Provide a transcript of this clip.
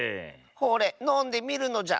ほれのんでみるのじゃ。